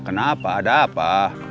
kenapa ada apa